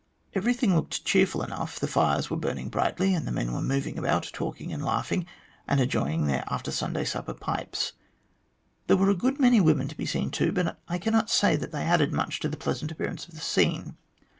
Everything looked cheerful enough ; the fires were burning brightly, and the men were moving about, talking and laughing, and enjoying their after Sunday supper pipes. There were a good many women to be seen, too, but I cannot say that they added much to the pleasant appearance of the scene.